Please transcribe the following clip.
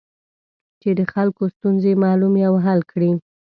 چې د خلکو ستونزې معلومې او حل کړي.